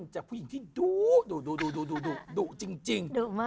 จากผู้หญิงที่มั่นจากผู้หญิงที่ดุ